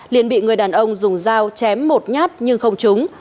liên bị người đàn ông dùng dao chém một nhát nhưng không trúng